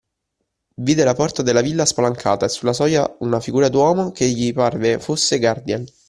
Vide la porta della villa spalancata e sulla soglia una figura di uomo, che gli parve fosse Gardiel.